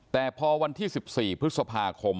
แต่พอวันที่๑๔พฤษภาคม